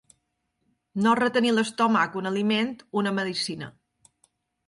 No retenir l'estómac un aliment, una medecina.